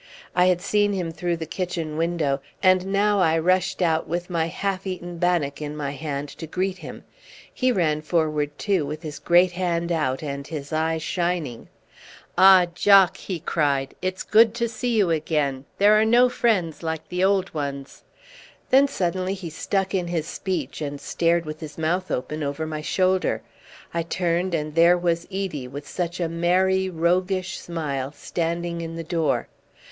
I had seen him through the kitchen window, and now I rushed out with my half eaten bannock in my hand to greet him. He ran forward too, with his great hand out and his eyes shining. "Ah! Jock," he cried, "it's good to see you again. There are no friends like the old ones." Then suddenly he stuck in his speech, and stared with his mouth open over my shoulder. I turned, and there was Edie, with such a merry, roguish smile, standing in the door.